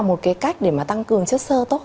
một cái cách để mà tăng cường chất sơ tốt